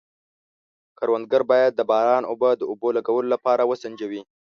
کروندګر باید د باران اوبه د اوبو لګولو لپاره وسنجوي.